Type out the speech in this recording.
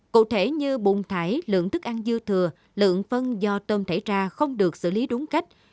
cụ thể như bùng thải lượng thức ăn dư thừa lượng phân do tôm thể ra không được xử lý đúng cách